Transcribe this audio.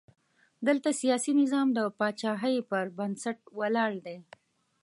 دلته سیاسي نظام د پاچاهۍ پر بنسټ ولاړ دی.